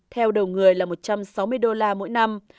theo đầu người là một trăm sáu mươi đô la mỗi năm